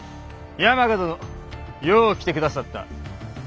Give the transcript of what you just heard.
山鹿殿よう来て下さった。